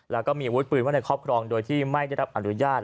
แล้วก็มีอาวุธปืนไว้ในครอบครองโดยที่ไม่ได้รับอนุญาต